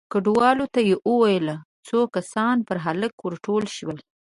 کليوالو ته يې وويل، څو کسه پر هلک ور ټول شول،